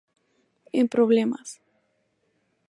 En problemas.